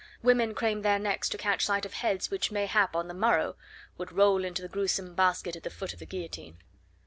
Women craned their necks to catch sight of heads which mayhap on the morrow would roll into the gruesome basket at the foot of the guillotine.